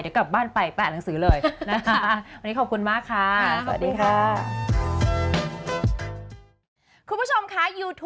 เดี๋ยวกลับบ้านไปไปอ่านหนังสือเลยนะคะ